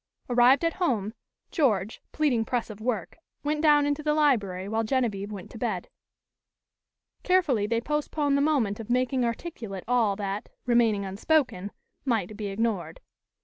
Arrived at home, George, pleading press of work, went down into the library while Genevieve went to bed. Carefully they postponed the moment of making articulate all that, remaining unspoken, might be ignored.